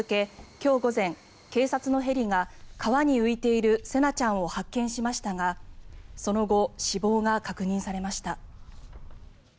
今日午前、警察のヘリが川に浮いている聖凪ちゃんを発見しましたがその後、死亡が確認されました。